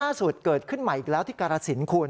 ล่าสุดเกิดขึ้นใหม่อีกแล้วที่กรสินคุณ